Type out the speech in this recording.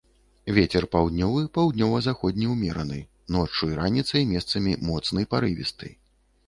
Вецер паўднёвы, паўднёва-заходні ўмераны, ноччу і раніцай месцамі моцны парывісты.